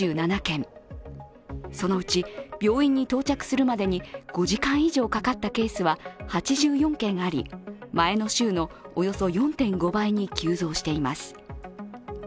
そのうち病院に到着するまでに５時間以上かかったケースは８４件あり前の週のおよそ４．５倍に急増しています。